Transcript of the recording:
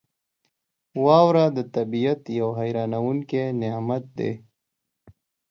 • واوره د طبعیت یو حیرانونکی نعمت دی.